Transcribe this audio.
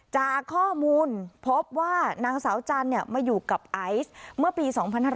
จากข้อมูลพบว่านางสาวจันทร์มาอยู่กับไอซ์เมื่อปี๒๕๕๙